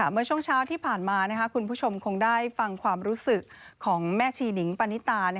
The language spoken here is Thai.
เมื่อช่วงเช้าที่ผ่านมาคุณผู้ชมคงได้ฟังความรู้สึกของแม่ชีนิงปณิตา